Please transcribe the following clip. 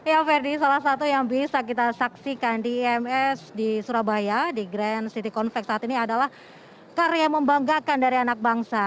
ya ferdi salah satu yang bisa kita saksikan di ims di surabaya di grand city convex saat ini adalah karya membanggakan dari anak bangsa